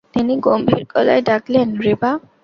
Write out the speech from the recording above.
তিনি গম্ভীর গলায় ডাকলেন, রেবা।